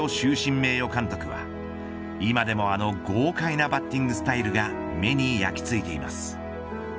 名誉監督は今でもあの豪快なバッティングスタイルが目に焼きついています。